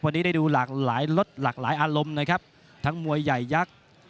วันนี้ได้ดูหลากหลายลดหลากหลายอารมณ์นะครับทั้งมวยใหญ่ยักษ์